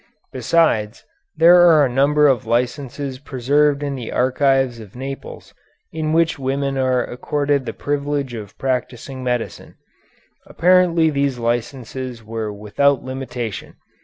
Besides, there are a number of licenses preserved in the archives of Naples in which women are accorded the privilege of practising medicine. Apparently these licenses were without limitation.